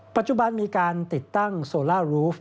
ปัจจุบันมีการติดตั้งโซล่ารูฟ